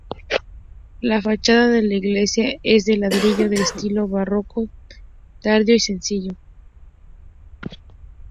La fachada de la iglesia es de ladrillo, de estilo barroco tardío y sencillo.